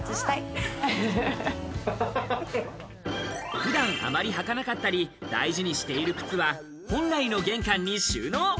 普段あまり履かなかったり、大事にしている靴は本来の玄関に収納。